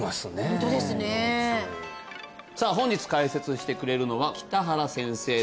ホントですねさあ本日解説してくれるのは北原先生です